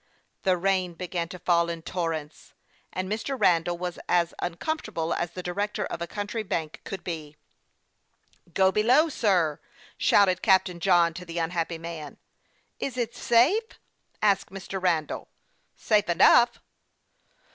The rain began to fall in torrents, and Mr. Randall was as uncomfortable as the director of a country bank could be. " Go below, sir !" sliouted Captain John, to the unhappy man. " Is it safe ?" asked Mr. Randall. " Safe enough."